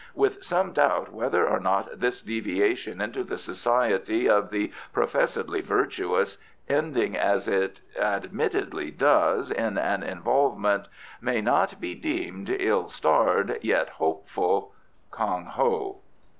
With some doubt whether or not this deviation into the society of the professedly virtuous, ending as it admittedly does in an involvement, may not be deemed ill starred; yet hopeful. KONG HO.